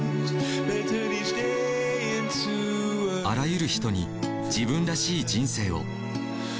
あらゆる人に自分らしい人生を。